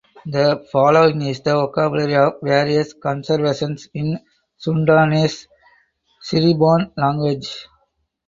The following is the vocabulary of various conversations in Sundanese Cirebon language.